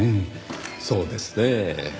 そうですねぇ。